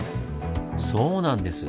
そうなんです。